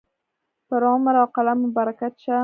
پر عمر او قلم مو برکت شه.